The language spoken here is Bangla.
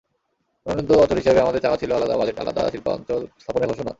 অনুন্নত অঞ্চল হিসেবে আমাদের চাওয়া ছিল আলাদা বাজেট, আলাদা শিল্পাঞ্চল স্থাপনের ঘোষণা।